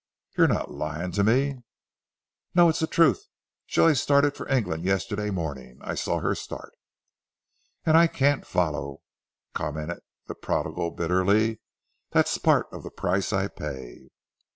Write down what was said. "You're not lying to me?" "No, it is the truth. Joy started for England yesterday morning. I saw her start." "And I can't follow," commented the prodigal bitterly. "That's part of the price I pay."